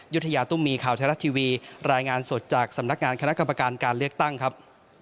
ยุธยาตุ้มมีข่าวไทยรัฐทีวีรายงานสดจากสำนักงานคณะกรรมการการเลือกตั้งครับ